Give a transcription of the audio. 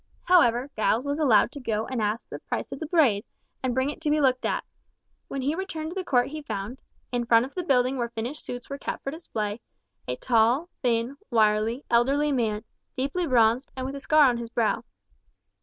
However, Giles was allowed to go and ask the price of the blade, and bring it to be looked at. When he returned to the court he found, in front of the building where finished suits were kept for display, a tall, thin, wiry, elderly man, deeply bronzed, and with a scar on his brow.